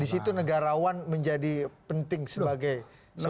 di situ negarawan menjadi penting sebagai negara